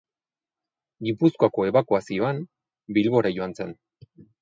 Gipuzkoako ebakuazioan Bilbora joan zen.